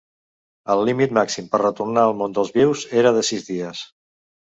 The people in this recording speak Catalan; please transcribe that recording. El límit màxim per retornar al món dels vius era de sis dies.